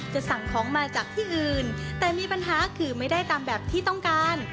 สั่งของมาจากที่อื่นแต่มีปัญหาคือไม่ได้ตามแบบที่ต้องการ